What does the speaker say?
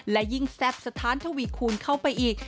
และยิ่งแซ่บสถานทวีคูณเข้าไปอีก